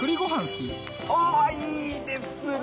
ああ、いいですね。